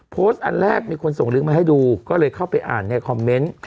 อันแรกมีคนส่งลิงก์มาให้ดูก็เลยเข้าไปอ่านในคอมเมนต์